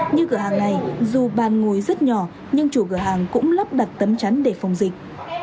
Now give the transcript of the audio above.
nhưng cửa hàng này dù bàn ngồi rất nhỏ nhưng chủ cửa hàng cũng lắp đặt tấm chắn để phòng dịch